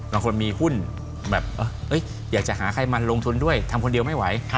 บางคนมีหุ้นแบบอยากจะหาใครมาลงทุนด้วยทำคนเดียวไม่ไหว